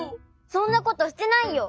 そんなことしてないよ！